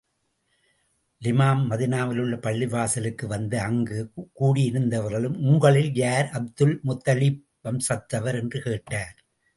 லிமாம் மதீனாவிலுள்ள பள்ளிவாசலுக்கு வந்து, அங்கு கூடியிருந்தவர்களிடம், உங்களில் யார் அப்துல் முத்தலிப் வம்சத்தவர்?, என்று கேட்டார்.